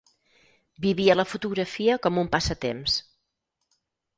Vivia la fotografia com un passatemps.